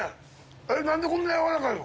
えっ何でこんなやわらかいの？